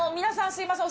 すいません。